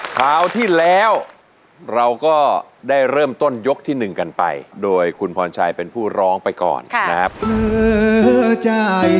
คราวที่แล้วเราก็ได้เริ่มต้นยกที่๑กันไปโดยคุณพรชัยเป็นผู้ร้องไปก่อนนะครับ